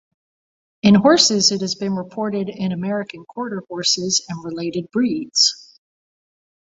In horses: it has been reported in American Quarter Horses and related breeds.